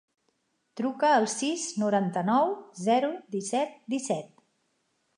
Truca al sis, noranta-nou, zero, disset, disset.